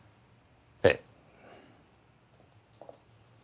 ええ。